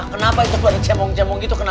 kenapa itu pada cemong cemong gitu kenapa